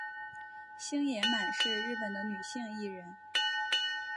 星野满是日本的女性艺人。